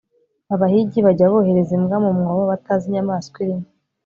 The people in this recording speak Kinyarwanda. abahigi bajya bohereza imbwa mu mwobo batazi inyamaswa irimo